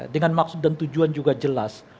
dengan maksud dan tujuan juga jelas